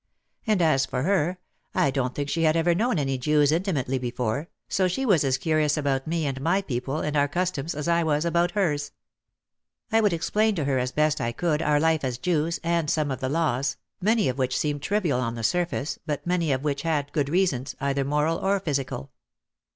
And as for her, I don't think she had ever known any Jews intimately be fore, so she was as curious about me and my people and our customs as I was about hers. I would explain to her as best I could our life as Jews and some of the laws, many of which seemed trivial on the surface but many of which had good reasons, either moral or physical.